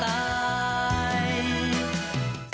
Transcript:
ใหญ่จริงมาเพ้อพกกโหกหน้าตาย